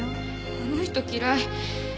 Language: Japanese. あの人嫌い。